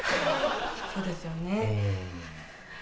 そうですよね。